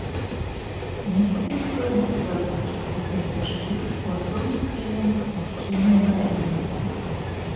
Месцамі пройдуць кароткачасовыя дажджы, у асобных раёнах магчымыя навальніцы.